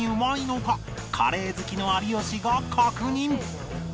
カレー好きの有吉が確認